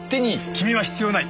君は必要ない！